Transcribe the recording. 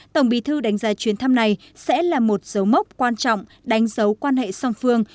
tổng bí thư đánh giá chuyến thăm này sẽ là một dấu mốc quan trọng đánh dấu quan hệ song phương